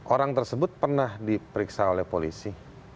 orang tersebut pernah diperiksa oleh polisi